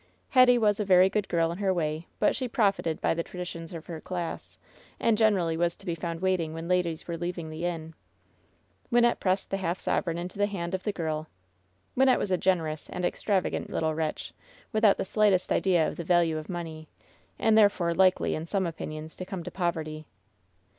Hetty was a very good girl in her way; but she profited by the traditions of her class, and generally was to be found waiting when ladies were leaving the inn. Wynnette pressed the half sovereign into the hand of 208 LOVE'S BITTEREST CUP the girL Wynnette was a generous and extravagant little wretch, without the slightest idea of the value of money, and therefore likely, in some opinions, to come to poverty.